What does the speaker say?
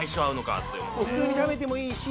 普通に食べてもいいし。